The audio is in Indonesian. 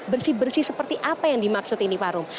bersih bersih seperti apa yang dimaksud ini pak rum